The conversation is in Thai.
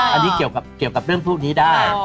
อันนี้เกี่ยวกับเรื่องพวกนี้ได้